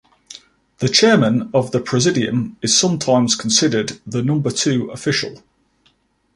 The Chairman of the Presidium is sometimes considered the "number two official".